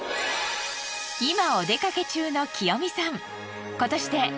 今お出かけ中の清美さん。